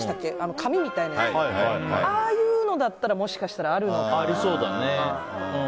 紙みたいなやつでああいうのだったらもしかしたらあるのかなって。